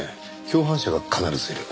共犯者が必ずいる。